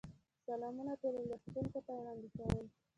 سلامونه ټولو لوستونکو ته وړاندې کوم.